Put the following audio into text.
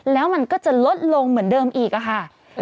แล้วมันก็จะลดลงเหมือนเดิมอีกค่ะ